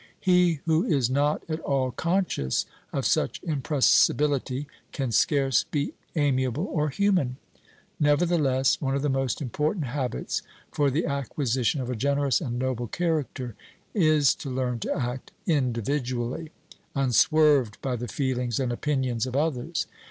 He who is not at all conscious of such impressibility can scarce be amiable or human. Nevertheless, one of the most important habits for the acquisition of a generous and noble character, is to learn to act individually, unswerved by the feelings and opinions of others.